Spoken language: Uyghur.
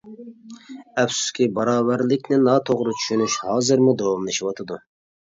ئەپسۇسكى، باراۋەرلىكنى ناتوغرا چۈشىنىش ھازىرمۇ داۋاملىشىۋاتىدۇ.